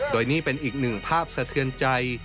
โดยนี่เป็นอีกหนึ่งภาพสะเทือนใจ